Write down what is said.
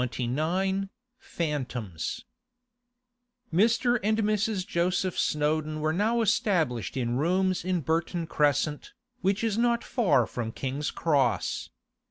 CHAPTER XXIX PHANTOMS Mr. and Mrs. Joseph Snowdon were now established in rooms in Burton Crescent, which is not far from King's Cross.